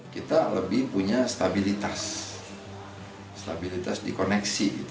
kita lebih punya stabilitas stabilitas dikoneksi